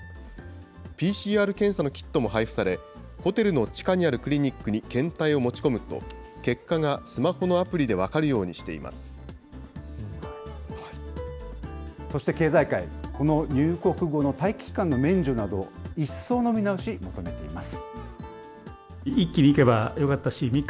ＰＣＲ検査のキットも配布され、ホテルの地下にあるクリニックに検体を持ち込むと、結果がスマホのアプリで分かるようにしていまそして経済界、この入国後の待機期間の免除など、一層の見直し、求めています。